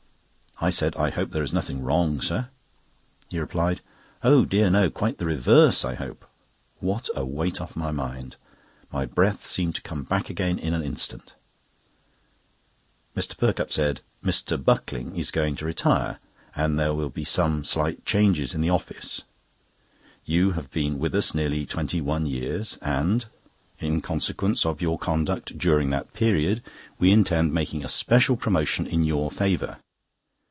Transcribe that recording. I said: "I hope there is nothing wrong, sir?" He replied: "Oh dear, no! quite the reverse, I hope." What a weight off my mind! My breath seemed to come back again in an instant. Mr. Perkupp said: "Mr. Buckling is going to retire, and there will be some slight changes in the office. You have been with us nearly twenty one years, and, in consequence of your conduct during that period, we intend making a special promotion in your favour.